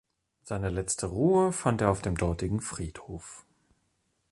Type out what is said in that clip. Seine letzte Ruhe fand er auf dem dortigen Friedhof.